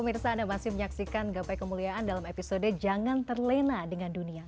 pemirsa anda masih menyaksikan gapai kemuliaan dalam episode jangan terlena dengan dunia